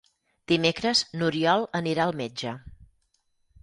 Dimecres n'Oriol anirà al metge.